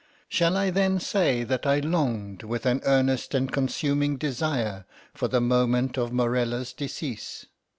Shall I then say that I longed with an earnest and consuming desire for the moment of Morella's decease?